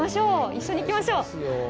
一緒に行きましょう。